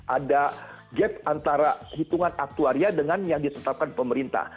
ada gap antara hitungan aktuaria dengan yang ditetapkan pemerintah